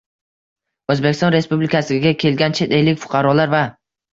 O‘zbekiston Respublikasiga kelgan chet ellik fuqarolar va